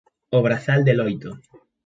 O brazal de loito?